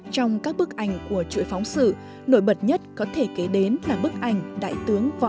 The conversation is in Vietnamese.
trong các bức ảnh của chuỗi phóng sự nổi bật nhất có thể kế đến là bức ảnh đại tướng võ